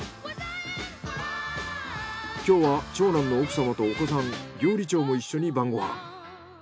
今日は長男の奥様とお子さん料理長も一緒に晩ご飯。